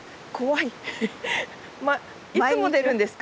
いつも出るんですか？